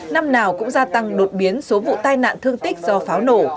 năm nào cũng gia tăng đột biến số vụ tai nạn thương tích do pháo nổ